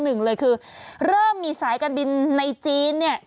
หนึ่งเลยคือเริ่มมีสายการบินในจีนเนี่ย